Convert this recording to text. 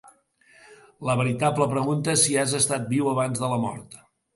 La veritable pregunta és si has estat viu abans de la mort.